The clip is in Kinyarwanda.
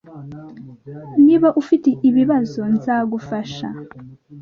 Niba ufite ibibazo, nzagufasha.